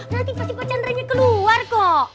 nanti pasti pak chandra nya keluar kok